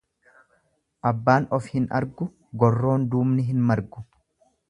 Abbaan of hin argu gorroo duubni hin margu.